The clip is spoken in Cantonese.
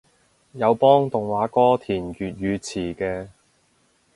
有幫動畫歌填粵語詞嘅